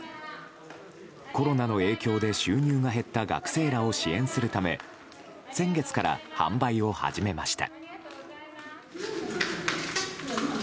コロナの影響で収入が減った学生らを支援するため先月から販売を始めました。